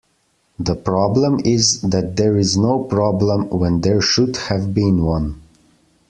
The problem is that there is no problem when there should have been one.